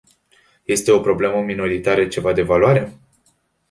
Este o limbă minoritară ceva de valoare?